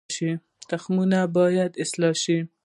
تخمونه باید اصلاح شي